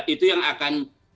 itu yang akan